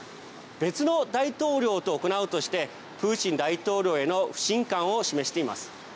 別の大統領と行うとしてプーチン大統領への不信感を示しています。